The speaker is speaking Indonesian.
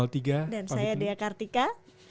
tiga dan saya dea kartika